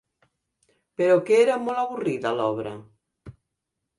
Però que era molt avorrida, l'obra?